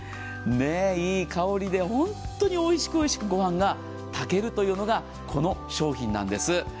いい香りで本当においしくおいしくご飯が炊けるというのがこの商品なんです。